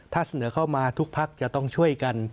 ถ้าเสนอเข้ามาทุกพักจะต้องช่วยกัน